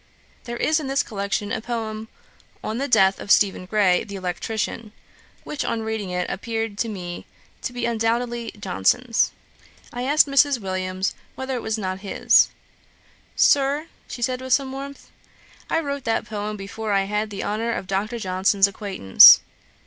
' There is in this collection a poem 'On the Death of Stephen Grey, the Electrician;'[*] which, on reading it, appeared to me to be undoubtedly Johnson's. I asked Mrs. Williams whether it was not his. 'Sir, (said she, with some warmth,) I wrote that poem before I had the honour of Dr. Johnson's acquaintance.'